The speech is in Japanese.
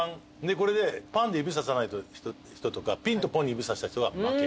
これで「パン」で指ささない人とか「ピン」と「ポン」に指さした人が負け。